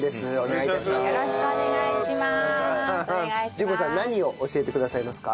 稔子さん何を教えてくださいますか？